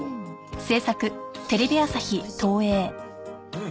うん！